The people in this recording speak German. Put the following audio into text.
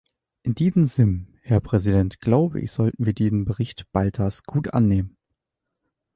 In diesem Sinn, Herr Präsident, glaube ich, sollten wir den Bericht Baltas gut annehmen.